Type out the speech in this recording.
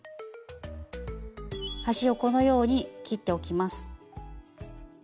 端をこのように切っておきます。